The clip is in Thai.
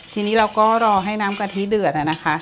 ทีนี้เราก็รอให้น้ำกะทิเดือดนะคะ